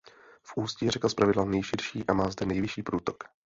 U ústí je řeka zpravidla nejširší a má zde nejvyšší průtok.